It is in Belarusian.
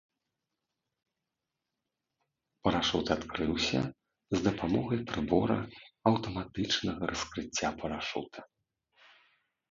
Парашут адкрыўся з дапамогай прыбора аўтаматычнага раскрыцця парашута.